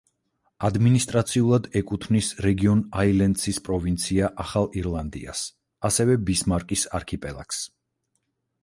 ადმინისტრაციულად ეკუთვნის რეგიონ აილენდსის პროვინცია ახალ ირლანდიას, ასევე ბისმარკის არქიპელაგს.